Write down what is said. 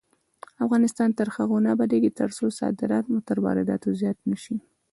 افغانستان تر هغو نه ابادیږي، ترڅو صادرات مو تر وارداتو زیات نشي.